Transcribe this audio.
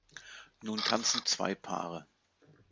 Nun tanzen zwei Paare.